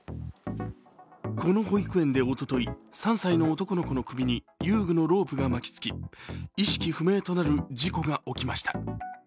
この保育園でおととい、３歳の男の子の首に遊具のロープが巻きつき意識不明となる事故が起きました。